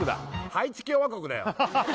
「ハイチ共和国だよ」